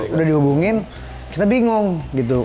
udah dihubungin kita bingung gitu